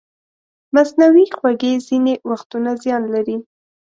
مصنوعي خوږې ځینې وختونه زیان لري.